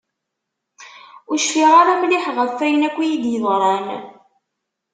Ur cfiɣ ara mliḥ ɣef wayen akk iyi-d-yeḍran.